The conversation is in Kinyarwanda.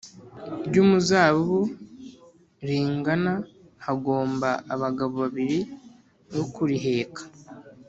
ry umuzabibu ringana Hagomba abagabo babiri bo kuriheka